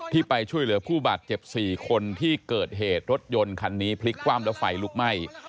ไปช่วยเหลือผู้บาดเจ็บ๔คนที่เกิดเหตุรถยนต์คันนี้พลิกคว่ำแล้วไฟลุกไหม้